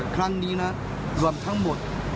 ครั้งนี้นะรวมทั้งหมด